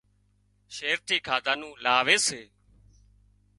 شهر ٿي کاڌا نُون لاوي سي